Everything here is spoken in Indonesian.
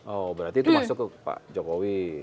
oh berarti itu masuk ke pak jokowi